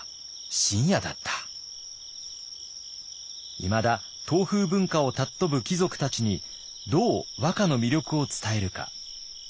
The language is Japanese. いまだ唐風文化を尊ぶ貴族たちにどう和歌の魅力を伝えるか。